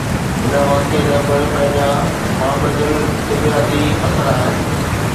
هن واقعي جا پڻ پنهنجا مابعدالطبعياتي اثر آهن.